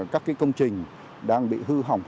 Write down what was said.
các công trình đang bị hư hỏng